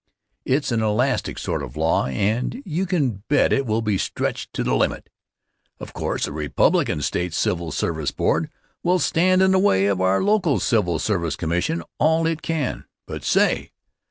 It's an elastic sort of law and you can bet it will be stretched to the limit Of course the Republican State Civil Service Board will stand in the way of our local Civil Service Commission all it can; but say!